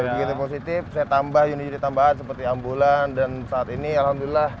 sedikitnya positif saya tambah unit unit tambahan seperti ambulan dan saat ini alhamdulillah